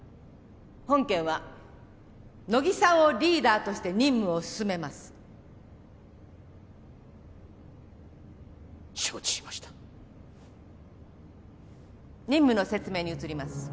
本件は乃木さんをリーダーとして任務を進めます承知しました任務の説明に移ります